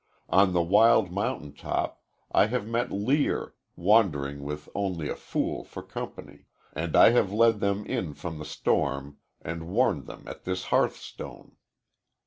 On the wild mountain top I have met Lear, wandering with only a fool for company, and I have led them in from the storm and warmed them at this hearthstone.